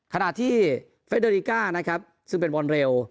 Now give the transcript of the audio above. ขณะที่เฟสเดอริก้านะครับซึ่งเป็นบอลเร็ว